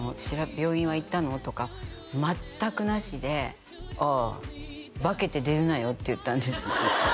病院は行ったの？」とか全くなしで「ああ化けて出るなよ」って言ったんです